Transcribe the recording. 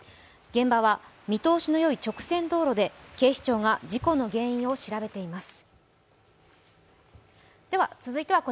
現場は見通しのいい直線道路で警視庁が事故の原因を調べています。